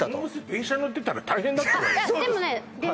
電車乗ってたら大変だったわよでもね